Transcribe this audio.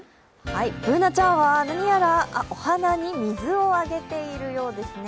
Ｂｏｏｎａちゃんは何やらお花に水をあげているようですね。